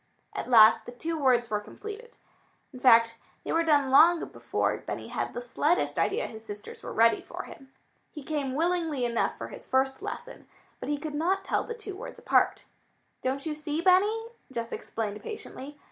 At last the two words were completed. In fact, they were done long before Benny had the slightest idea his sisters were ready for him. He came willingly enough for his first lesson, but he could not tell the two words apart. "Don't you see, Benny?" Jess explained patiently.